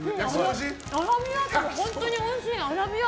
アラビアータも本当においしい。